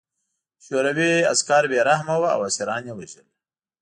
شوروي عسکر بې رحمه وو او اسیران یې وژل